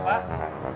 apa yang bener